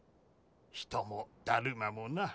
人もだるまもな。